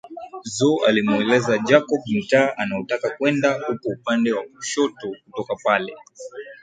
Zo alimueleza Jacob mtaa anaotaka kwenda upo upande wa kushoto kutoka pale